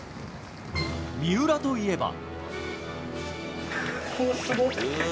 三浦といえば。